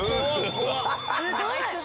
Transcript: すごい！